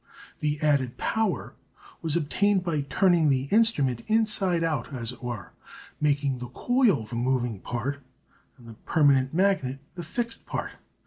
The added power was obtained by turning the instrument inside out, as it were, making the coil the moving part and the permanent magnet the fixed part.